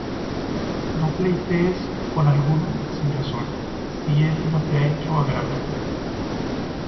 No pleitees con alguno sin razón, Si él no te ha hecho agravio.